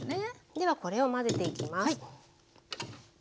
ではこれを混ぜていきます。